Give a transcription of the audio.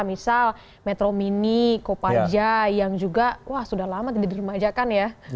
misal metro mini koparja yang juga sudah lama tidak dirumahkan ya